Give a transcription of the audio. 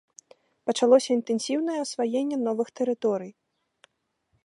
Пачалося інтэнсіўнае асваенне новых тэрыторый.